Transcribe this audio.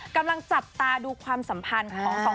กำลังจับตาดูความสัมพันธ์ของสองคน